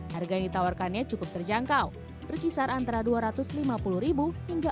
harga yang ditawarkannya cukup terjangkau berkisar antara rp dua ratus lima puluh hingga rp empat ratus lima puluh